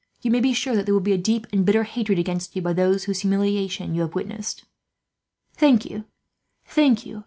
You may be sure that there will be a deep and bitter hatred against you, by those whose humiliation you have witnessed." "Thank you.